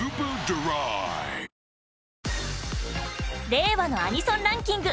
令和のアニソンランキング